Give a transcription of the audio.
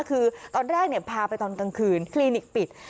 คือตอนแรกพาไปตอนกลางคืนคลินิกปิด